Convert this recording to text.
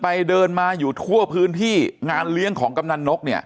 เดินมาอยู่ทั่วพื้นที่งานเลี้ยงของกำนันนกเนี่ย